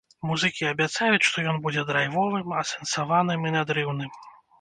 Музыкі абяцаюць, што ён будзе драйвовым, асэнсаваным і надрыўным.